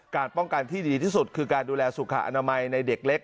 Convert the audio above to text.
ป้องกันที่ดีที่สุดคือการดูแลสุขอนามัยในเด็กเล็ก